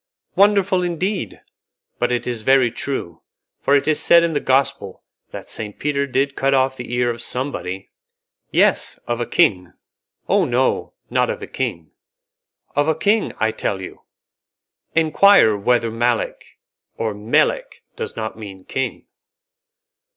"Wonderful, indeed! But it is very true, for it is said in the Gospel that Saint Peter did cut off the ear of somebody." "Yes, of a king." "Oh, no! not of a king." "Of a king, I tell you. Enquire whether Malek or Melek does not mean king."